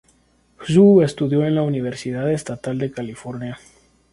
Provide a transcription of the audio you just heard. Hsu estudio en la Universidad Estatal de California.